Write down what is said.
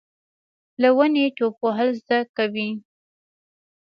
له ونې ټوپ وهل زده کوي .